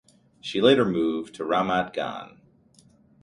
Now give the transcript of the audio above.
She later moved to Ramat Gan.